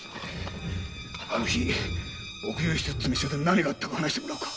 あの日詰め所で何があったか話してもらおう。